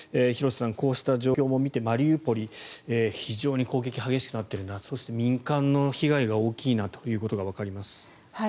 廣瀬さん、こうした状況を見てマリウポリは非常に攻撃が激しくなっているなそして、民間の被害が大きいなということがわかります。